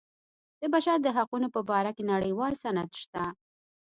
د بشر د حقونو په باره کې نړیوال سند شته.